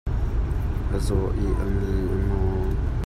A zaw i a mit a maw.